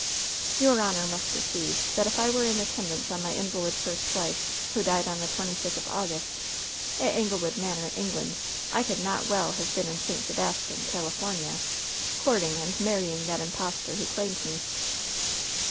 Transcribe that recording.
"Your honor must perceive that if I were in attend ance on my invalid first wife, who died on the twenty ififth of August, at Anglewood Manor, England, I could not well have been in St Sebastian, California, courting and marrying that impostor who claimed me.''